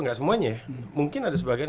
gak semuanya ya mungkin ada sebagian